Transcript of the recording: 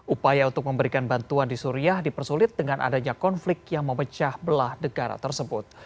upaya untuk memberikan bantuan di suriah dipersulit dengan adanya konflik yang memecah belah negara tersebut